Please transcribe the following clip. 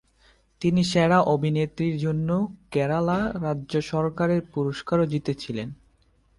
তিনি সেরা অভিনেত্রীর জন্য কেরালা রাজ্য সরকারের পুরস্কারও জিতেছিলেন।